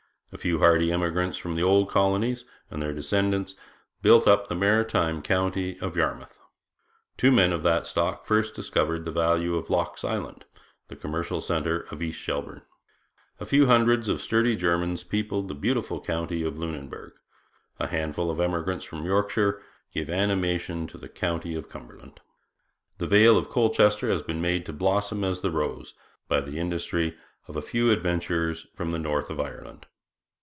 A few hardy emigrants from the old colonies and their descendants built up the maritime county of Yarmouth. Two men of that stock first discovered the value of Locke's Island, the commercial centre of East Shelburne. A few hundreds of sturdy Germans peopled the beautiful county of Lunenburg. A handful of emigrants from Yorkshire gave animation to the county of Cumberland. The vale of Colchester has been made to blossom as the rose by the industry of a few adventurers from the north of Ireland.